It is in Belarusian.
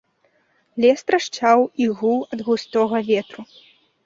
Лес трашчаў і гуў ад густога ветру.